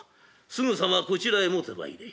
すぐさまこちらへ持てまいれ。